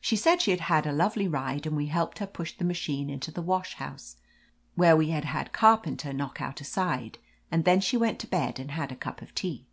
She said she had had a lovely ride, and we helped her push the machine into the wash house, where we had had Carpenter knock out a side, and then she went to bed and had a cup of tea.